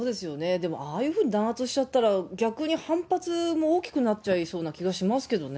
でもああいうふうに弾圧しちゃったら、逆に反発も大きくなっちゃいそうな気もしますけどね。